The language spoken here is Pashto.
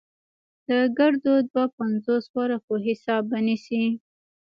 د ګردو دوه پينځوس ورقو حساب به نيسې.